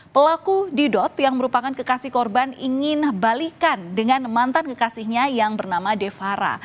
pelaku didot yang merupakan kekasih korban ingin balikan dengan mantan kekasihnya yang bernama devara